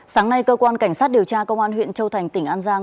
sáng nay cơ quan cảnh sát điều tra công an huyện châu thành tỉnh an giang